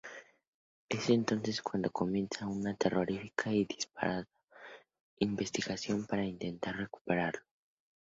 Es entonces cuando comienza una terrorífica y disparatada investigación para intentar recuperarlo.